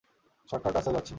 Shortcut রাস্তায় যাচ্ছি!